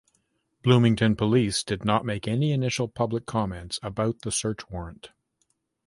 Bloomington police did make any initial public comments about the search warrant.